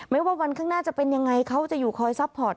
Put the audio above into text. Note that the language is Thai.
ว่าวันข้างหน้าจะเป็นยังไงเขาจะอยู่คอยซัพพอร์ต